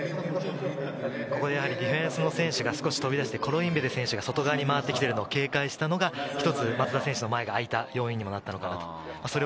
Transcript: ディフェンスの選手が少し飛び出して、コロインベテ選手が外側に回ってきてるのを警戒したのが一つ、松田選手の前があいた要因になったのかな？